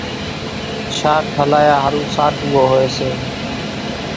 شاک هلايا ۿارُو ساٽُوئو هوئيَ سي۔